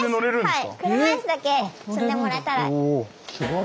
はい。